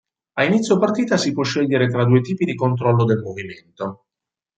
A inizio partita si può scegliere tra due tipi di controllo del movimento.